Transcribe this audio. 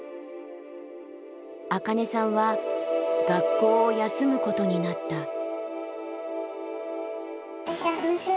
アカネさんは学校を休むことになった。